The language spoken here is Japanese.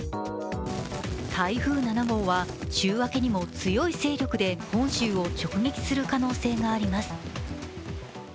台風７号は週明けにも強い勢力で本州を直撃する可能性があります。